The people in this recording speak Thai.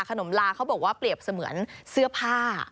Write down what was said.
ลาเขาบอกว่าเปรียบเสมือนเสื้อผ้า